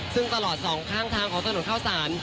ซึ่งตลอดสองข้างทางของถนนเข้าสาร